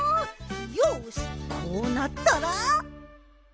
よしこうなったら。